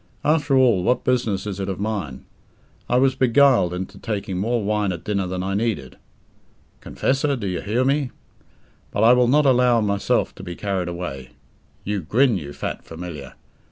After all, what business is it of mine? I was beguiled into taking more wine at dinner than I needed. Confessor, do you hear me? But I will not allow myself to be carried away. You grin, you fat Familiar!